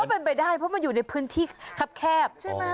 ก็เป็นไปได้เพราะมันอยู่ในพื้นที่แคบ